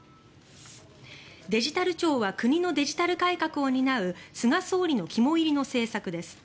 デジタル庁は国のデジタル改革を担う菅総理の肝煎りの政策です。